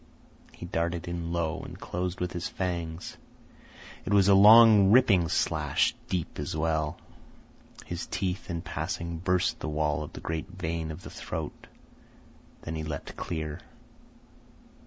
He darted in low and closed with his fangs. It was a long, ripping slash, and deep as well. His teeth, in passing, burst the wall of the great vein of the throat. Then he leaped clear.